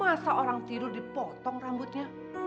masa orang tidur dipotong rambutnya